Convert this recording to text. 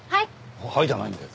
「はい」じゃないんだよ。